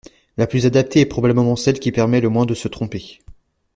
La plus adaptée est probablement celle qui permet le moins de se tromper.